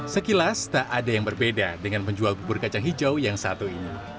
sekilas tak ada yang berbeda dengan menjual bubur kacang hijau yang satu ini